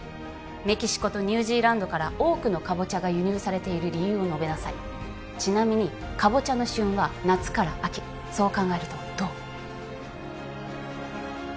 メキシコとニュージーランドから多くのかぼちゃが輸入されている理由を述べなさいちなみにかぼちゃの旬は夏から秋そう考えるとどう？